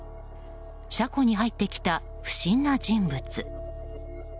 車庫に入ってきた不審な人物。